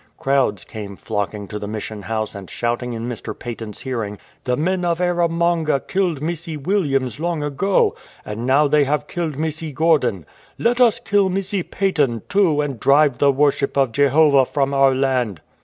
Crowds came flocking to the Mission House and shouting in Mr. Paton's hearing, " The men of Erromanga killed Missi Williams long ago, and now they have killed Missi Gordon. Let us kill Missi Paton too, and drive the worship of Jehovah from our land.